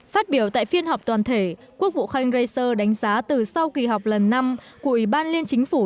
phát biểu tại phiên họp toàn thể quốc vụ khanh racer đánh giá từ sau kỳ họp lần năm của ủy ban liên chính phủ